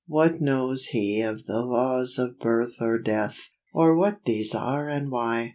What knows he of the laws of birth Or death, or what these are and why!